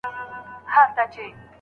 هر څه د کوم ذات په قدرت کې دي؟